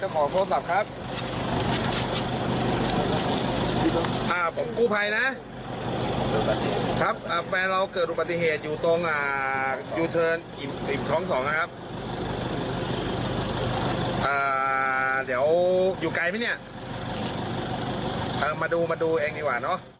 มาดูมาดูเองดีกว่าเนาะ